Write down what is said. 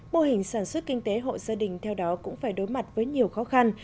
mô hình sản xuất kinh tế hộ gia đình theo đó cũng phải đối mặt với nhiều khó khăn